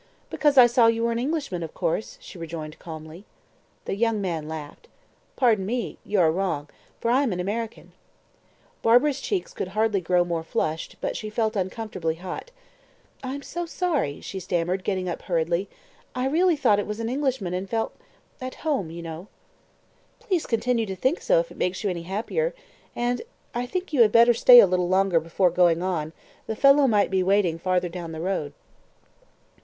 "Because I saw you were an Englishman, of course," she rejoined calmly. The young man laughed. "Pardon me, you are wrong, for I am an American." Barbara's cheeks could hardly grow more flushed, but she felt uncomfortably hot. "I am so sorry," she stammered, getting up hurriedly; "I really thought it was an Englishman, and felt at home, you know." "Please continue to think so if it makes you any happier; and I think you had better stay a little longer before going on the fellow might be waiting farther down the road."